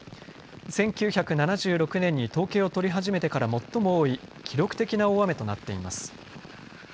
１９７６年に統計を取り始めてから最も多い記録的な大雨となっています。